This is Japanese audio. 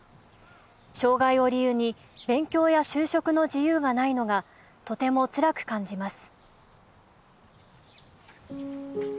障害を理由に勉強や就職の自由がないのがとても辛く感じます」。